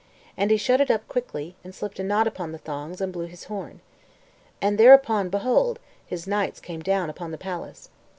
And he shut it up quickly, and slipped a knot upon the thongs, and blew his horn. And thereupon, behold, his knights came down upon the palace.